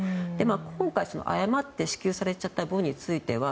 今回、誤って支給されちゃった分については